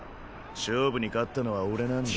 勝負に勝ったのは俺なんだ。